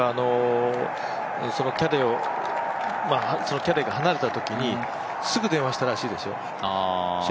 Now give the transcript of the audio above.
そのキャディーが離れたときにすぐ電話したらしいですよ